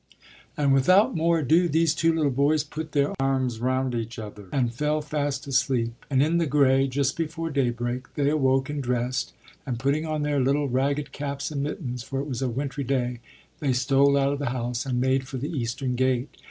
And without more ado these two little boys put their arms round each other, and fell fast asleep. And in the grey, just before daybreak, they awoke and dressed; and putting on their little ragged caps and mittens, for it was a wintry day, they stole out of the house, and made for the eastern gate.